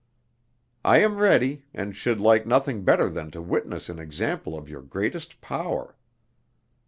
"I am ready, and should like nothing better than to witness an example of your greatest power!"